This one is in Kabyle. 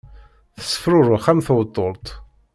Tessefṛuṛux am tewtult.